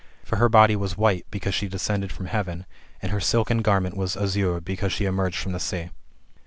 For her body was white, because she descended from heaven, and her silken garment was azure, because she emerged from the sea.